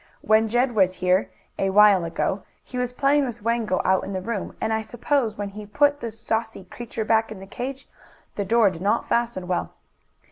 When Jed was here, a while ago, he was playing with Wango out in the room, and, I suppose, when he put the saucy creature back in the cage, the door did not fasten well.